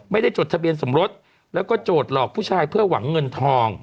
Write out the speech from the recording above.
จดทะเบียนสมรสแล้วก็โจทย์หลอกผู้ชายเพื่อหวังเงินทอง